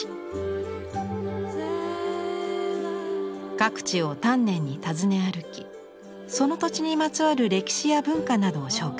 各地を丹念に訪ね歩きその土地にまつわる歴史や文化などを紹介。